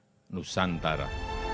ibu kota nusantara